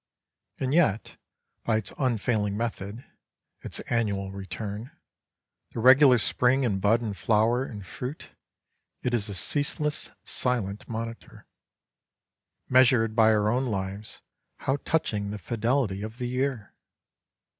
And yet, by its unfailing method, its annual return, the regular spring and bud and flower and fruit, it is a ceaseless, silent monitor. Measured by our own lives, how touching the fidelity of the year!